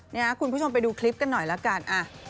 นี่คุณผู้ชมไปดูคลิปกันหน่อยละกัน